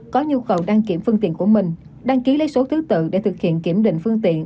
có nhu cầu đăng kiểm phương tiện của mình đăng ký lấy số thứ tự để thực hiện kiểm định phương tiện